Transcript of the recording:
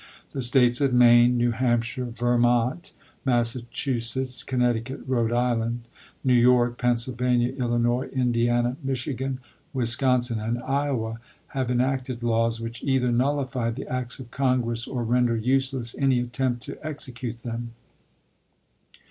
.. The States of Maine, New Hampshire, Vermont, Massachusetts, Connecticut, Rhode Island, New York, Pennsylvania, Illinois, Indiana, Michigan, Wisconsin, and Iowa have en acted laws which either nullify the acts of Con gress or render useless any attempt to execute them."